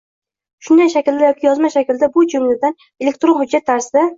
shunday shaklda yoki yozma shaklda, shu jumladan elektron hujjat tarzida